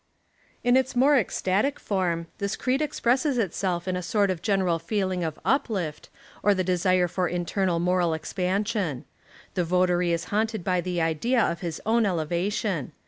In its more ecstatic form, this creed expresses itself in a sort of general feeling of "uplift," or the desire for internal moral expansion. The votary is haunted by the idea of his own elevation.